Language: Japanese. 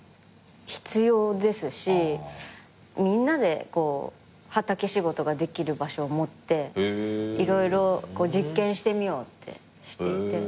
必要ですしみんなで畑仕事ができる場所を持って色々実験してみようってしていて。